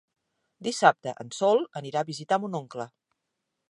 Dissabte en Sol anirà a visitar mon oncle.